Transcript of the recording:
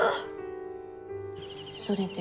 それで？